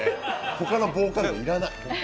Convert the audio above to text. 他の防寒具いらない。